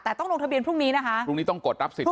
แต่ต้องลงทะเบียนพรุ่งนี้นะคะพรุ่งนี้ต้องกดรับสิทธิ